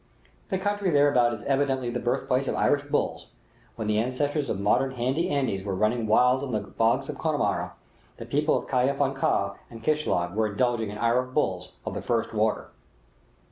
The country hereabout is evidently the birthplace of Irish bulls; when the ancestors of modern Handy Andys were running wild on the bogs of Connemara, the people of Aivan i Kaif and Kishlag were indulging in Irish bulls of the first water.